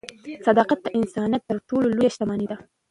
صداقت د انسان تر ټولو لویه شتمني ده.